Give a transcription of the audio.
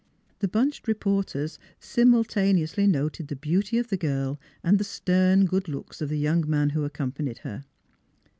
The bunched reporters simultaneously noted the beauty of the girl and the stern good looks of the young man who accompanied her.